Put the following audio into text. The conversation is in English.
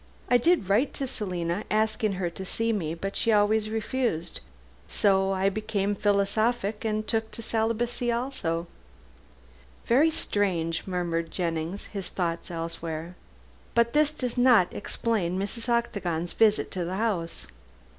I did write to Selina, asking her to see me, but she always refused, so I became philosophic and took to celibacy also." "Very strange," murmured Jennings, his thoughts elsewhere, "but this does not explain Mrs. Octagon's visit to the house."